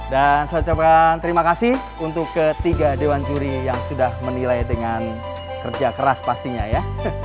dan saya ucapkan terima kasih untuk ketiga dewan juri yang sudah menilai dengan kerja keras pastinya ya